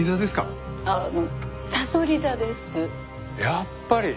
やっぱり！